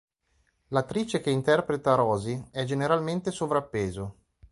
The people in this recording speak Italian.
L'attrice che interpreta Rosie è generalmente sovrappeso.